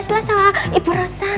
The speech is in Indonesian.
sebelas dua belas lah sama ibu rosa